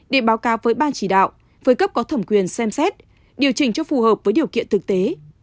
để báo cáo với ban chỉ đạo với cấp có thẩm quyền xem xét điều chỉnh cho phù hợp với điều kiện thực tế